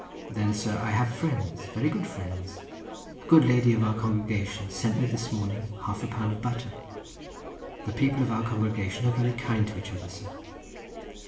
Then, sir, I have friends, very good friends. A good lady of our congregation sent me this morning half a pound of butter. The people of our congregation are very kind to each other, sir."